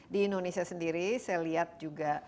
di indonesia sendiri saya lihat juga